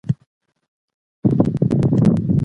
مطالعه کوونکی انسان تر نورو ډېر ارام وي.